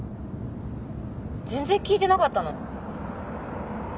全然聞いてなかったの？